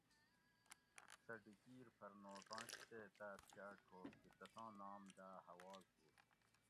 سہ ڈیکیر پھر نوٹوںش تے تاۤس کہ اۤ ٹھوک تھی تساں نام دا ھواز ھو